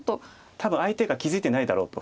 多分相手が気付いてないだろうと。